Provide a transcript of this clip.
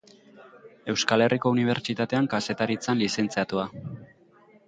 Euskal Herriko Unibertsitatean Kazetaritzan lizentziatua.